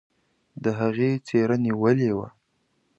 د هغې څيره نيولې وه.